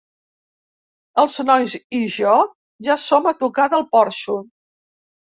Els nois i jo ja som a tocar del porxo.